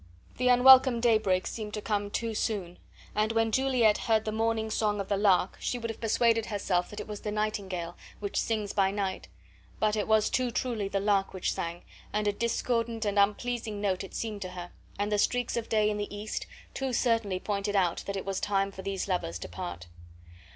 The unwelcome daybreak seemed to come too soon, and when Juliet heard the morning song of the lark she would have persuaded herself that it was the nightingale, which sings by night; but it was too truly the lark which sang, and a discordant and unpleasing note it seemed to her; and the streaks of day in the east too certainly pointed out that it was time for these lovers to part.